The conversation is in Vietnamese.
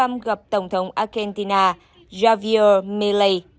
trước đó ông trump gặp tổng thống argentina javier milley